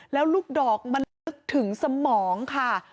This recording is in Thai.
แล้วลูกดอกมันลึกถึงสมองค่ะ